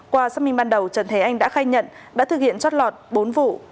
qua xác minh ban đầu trần thế anh đã khai nhận đã thực hiện chót lọt bốn vụ